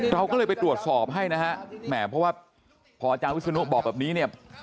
เราก็เลยไปตรวจสอบให้นะฮะแหมเพราะว่าพออาจารย์วิศนุบอกแบบนี้เนี่ย